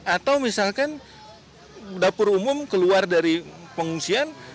atau misalkan dapur umum keluar dari pengungsian